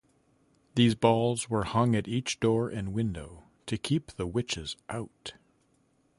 These balls were hung at each door and window, to keep the witches out.